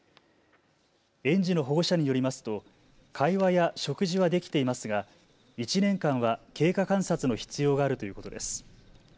園児の保護者によりますと会話や食事はできていますが１年間は経過観察の必要があるということです。